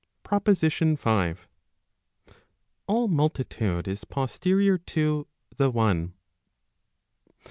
M PROPOSITION V. All multitude is posterior to the one.